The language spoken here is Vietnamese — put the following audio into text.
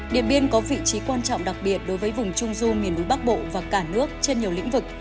điện biên có vị trí quan trọng đặc biệt đối với vùng trung du miền núi bắc bộ và cả nước trên nhiều lĩnh vực